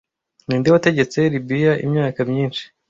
Ninde wategetse libiya imyaka myinshi